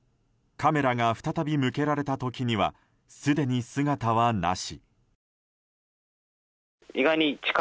カメラが再び向けられた時にはすでに姿はなし。